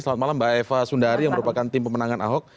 selamat malam mbak eva sundari yang merupakan tim pemenangan ahok